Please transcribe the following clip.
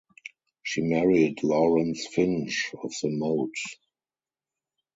She married Lawrence Finch of the Mote.